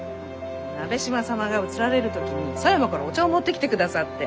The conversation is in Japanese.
鍋島様が移られる時に狭山からお茶を持ってきてくださって。